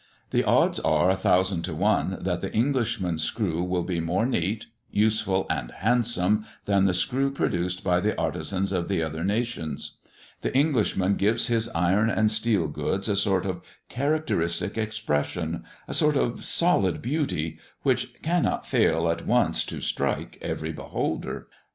The odds are a thousand to one that the Englishman's screw will be more neat, useful and handsome, than the screw produced by the artisans of the other nations. The Englishman gives his iron and steel goods a sort of characteristic expression, a sort of solid beauty, which cannot fail at once to strike every beholder.